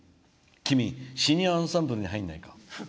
君、シニアアンサンブルに入らないか？